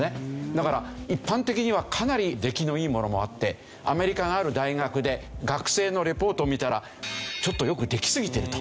だから一般的にはかなり出来のいいものもあってアメリカのある大学で学生のレポートを見たらちょっと良くできすぎていると。